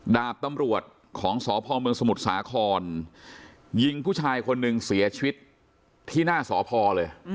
ดาบตำรวจของสพเมืองสมุทรสาครยิงผู้ชายคนหนึ่งเสียชีวิตที่หน้าสพเลย